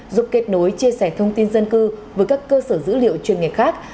giúp kết nối chia sẻ thông tin dân cư với các cơ sở dữ liệu chuyên nghề khác